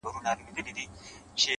ناکامي د پوهې پټه ښوونکې ده!